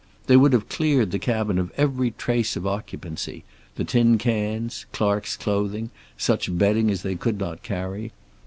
They would have cleared the cabin of every trace of occupancy; the tin cans, Clark's clothing, such bedding as they could not carry.